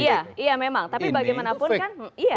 iya memang tapi bagaimanapun kan